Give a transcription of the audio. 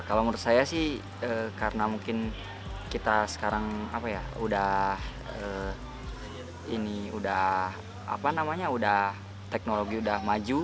kalau menurut saya sih karena mungkin kita sekarang sudah teknologi sudah maju